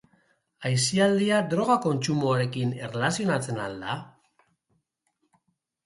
Aisialdia droga kontsumoarekin erlazionatzen al da?